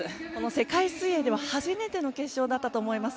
世界水泳では初めての決勝だったと思います。